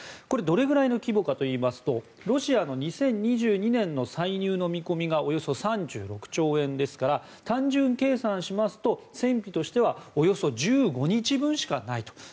これ、どれぐらいの規模かといいますとロシアの２０２２年の歳入の見込みがおよそ３６兆円ですから単純計算しますと戦費としてはおよそ１５日分しかないと。